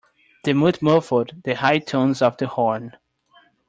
The mute muffled the high tones of the horn.